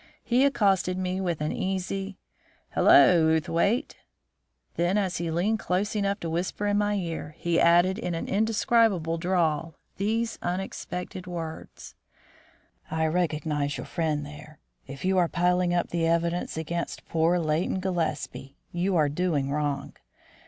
He accosted me with an easy: "Halloo, Outhwaite!" Then, as he leaned close enough to whisper in my ear, he added, in an indescribable drawl, these unexpected words: "I recognise your friend there. If you are piling up the evidence against poor Leighton Gillespie, you are doing wrong.